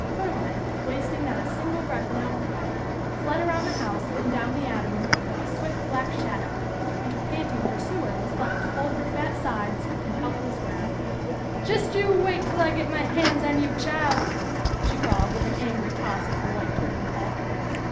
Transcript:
Pearline, wasting not a single breath in outcry, fled around the house and down the avenue like a swift black THE END OF THE SUMMER. 2$ shadow, and her panting pursuer was left to hold her fat sides in helpless wrath. "Just you wait till I get my hands on you, chile," she called with an angry toss of her white turbaned head.